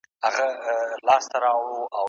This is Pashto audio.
په لویه جرګه کي د اقلیتونو حقونه څنګه خوندي کیږي؟